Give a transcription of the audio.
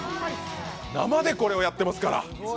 生でこれをやってますから。